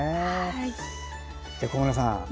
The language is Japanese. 小村さん